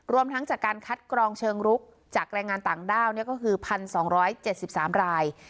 รวมทั้งจากการคัดกรองเชิงลุกจากแรงงานต่างด้าวเนี่ยก็คือพันสองร้อยเจ็ดสิบสามราย